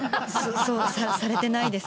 されてないですね。